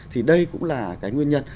thì đây cũng là cái nguyên nhân